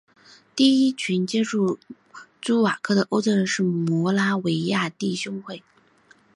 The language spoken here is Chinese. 第一群接触库朱瓦克的欧洲人是摩拉维亚弟兄会。